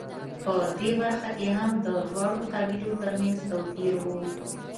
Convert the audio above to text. په دې برخه کې هم د دواړو قبیلو ترمنځ توپیر و